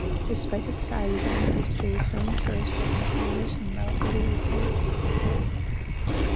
Despite the Society's long history, some firsts have been accomplished in relatively recent years.